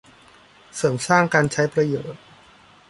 เสริมสร้างการใช้ประโยชน์